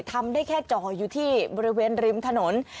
ทำได้แค่จ่ออยู่ที่บริเวณริมถนน